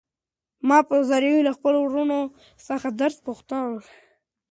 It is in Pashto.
ما به په زاریو له خپلو وروڼو څخه درس پوښتلو.